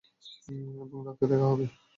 এবং রাতে দেখা হবে।